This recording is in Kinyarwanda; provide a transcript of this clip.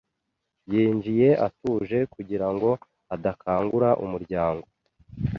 Yinjiye atuje kugira ngo adakangura umuryango.